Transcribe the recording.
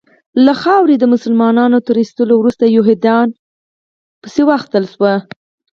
له خاورې د مسلمانانو تر ایستلو وروسته یهودیان وشړل سول.